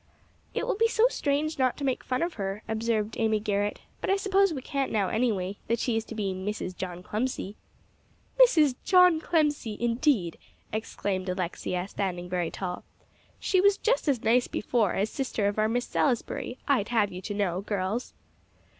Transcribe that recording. "It will be so strange not to make fun of her," observed Amy Garrett, "but I suppose we can't now, anyway, that she is to be Mrs. John Clemcy." "Mrs. John Clemcy, indeed!" exclaimed Alexia, standing very tall. "She was just as nice before, as sister of our Miss Salisbury, I'd have you to know, girls."